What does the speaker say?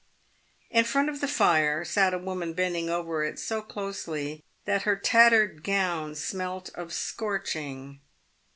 In front of the fire sat a woman bending over it so closely, that her tattered gown smelt of scorching.